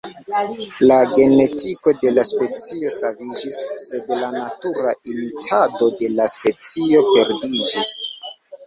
La genetiko de la specio saviĝis, sed la natura imitado de la specio perdiĝis.